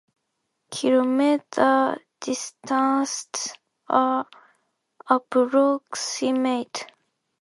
Kilometer distances are approximate.